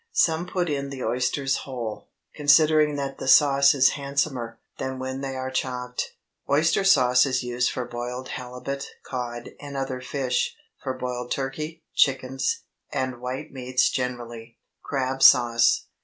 Some put in the oysters whole, considering that the sauce is handsomer than when they are chopped. Oyster sauce is used for boiled halibut, cod, and other fish, for boiled turkey, chickens, and white meats generally. CRAB SAUCE.